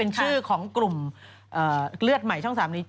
เป็นชื่อของกลุ่มเลือดใหม่ช่อง๓นี้